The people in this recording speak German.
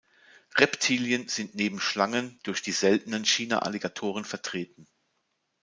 Reptilien sind neben Schlangen durch die seltenen China-Alligatoren vertreten.